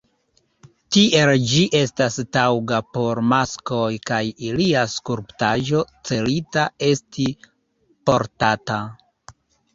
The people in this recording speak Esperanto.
Tiel ĝi estas taŭga por maskoj kaj alia skulptaĵo celita esti portata.